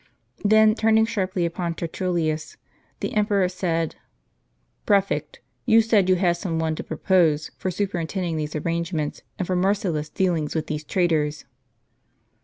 Then turning sharp upon Tertullus, the emperor said :" Prefect, you said you had some one to propose, for superin tending these arrangements, and for merciless dealings with these traitors."